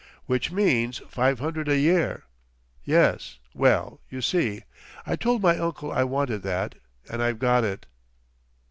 "Which means five hundred a year.... Yes, well, you see, I told my uncle I wanted that, and I've got it."